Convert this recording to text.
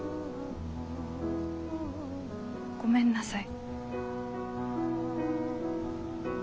ごめんなさい。